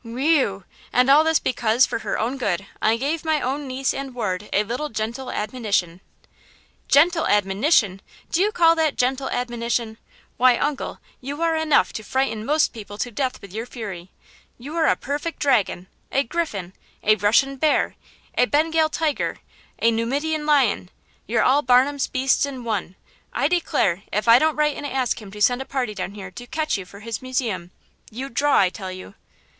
"Whee eu! and all this because, for her own good, I gave my own niece and ward a little gentle admonition." "Gentle admonition! Do you call that gentle admonition? Why, uncle, you are enough to frighten most people to death with your fury. You are a perfect dragon! a griffin! a Russian bear! a Bengal tiger! a Numidian lion! You're all Barnum's beasts in one! I declare, if I don't write and ask him to send a party down here to catch you for his museum! You'd draw, I tell you!"